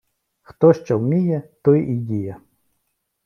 Хто що вміє, то і діє